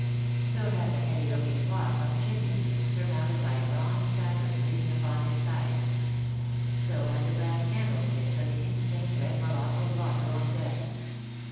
So had the heavy looking clock on the chimney piece, surmounted by a bronze Saturn lean ing upon his scythe. So had the brass candlesticks, and the ink stained red morocco blotter on the desk.